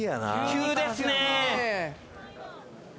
急ですね。